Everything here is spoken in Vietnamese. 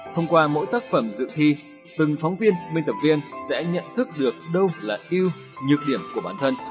thông qua mỗi tác phẩm dự thi từng phóng viên biên tập viên sẽ nhận thức được đâu là yêu nhược điểm của bản thân